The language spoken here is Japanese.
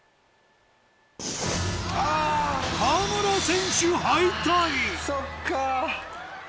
河村選手敗退そっかぁ。